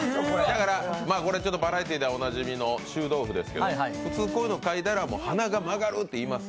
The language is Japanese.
これバラエティーではおなじみの臭豆腐ですけど普通、こういうのをかいだら鼻が曲がるって言います。